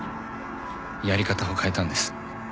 やり方を変えたんです。